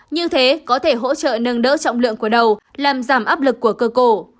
như thế có thể hỗ trợ nâng đỡ trọng lượng của đầu làm giảm áp lực của cơ cổ